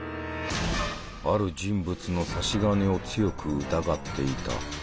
ある人物の差し金を強く疑っていた。